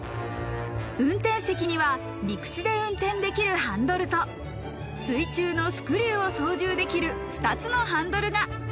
運転席には陸地で運転できるハンドルと水中のスクリューを操縦できる２つのハンドルが。